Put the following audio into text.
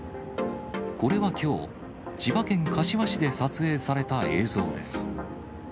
これはきょう、千葉県柏市で撮影された映像です。